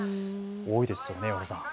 多いですよね。